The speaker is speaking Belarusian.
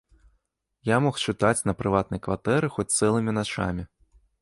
Я мог чытаць на прыватнай кватэры хоць цэлымі начамі.